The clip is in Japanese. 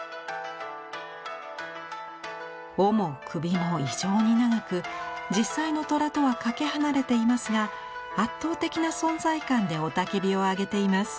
尾も首も異常に長く実際の虎とはかけ離れていますが圧倒的な存在感で雄たけびを上げています。